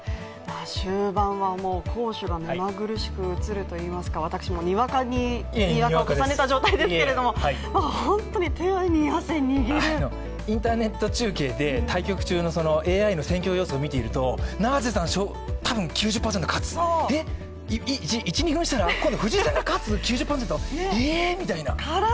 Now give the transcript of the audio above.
終盤は攻守がめまぐるしく移るといいますか私もにわかににわかを重ねた状態でございますけれども本当に手に汗握るインターネット中継で対局中のＡＩの予測を見ていると永瀬さん多分９０％勝つ、えっ、１２分したら今度藤井さんが勝つ９０％ええっ、みたいな。